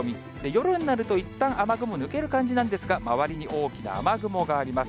夜になるといったん雨雲抜ける感じなんですが、周りに大きな雨雲があります。